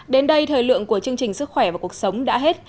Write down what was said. đến đây thời lượng của chương trình sức khỏe và cuộc sống đã hết